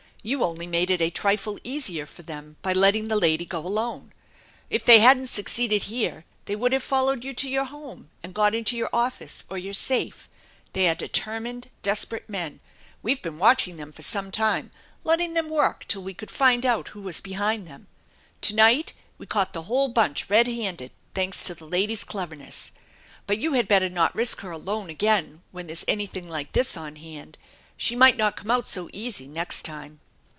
You only made it a trifle easier for them by letting the lady go alone. If they hadn't succeeded here, they would have followed you to your home and got into your office or your safe. They are determined, desperate men. We've been watching them for some time, letting them work till we could find out who was behind them. To night we caught the whole bunch red handed, thanks to the lady's cleverness. But you had better not risk her alone again when there's anything like this on hand. She might not come out so easy next time